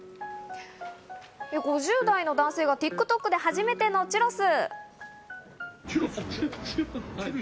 ５０代の男性がＴｉｋＴｏｋで初めてのチュロス。